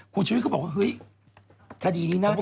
คุณชีวิตก็บอกว่าเฮ้ยคดีนี้น่าจะลำบาก